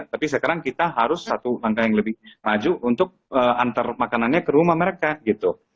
tapi sekarang kita harus satu langkah yang lebih maju untuk antar makanannya ke rumah mereka gitu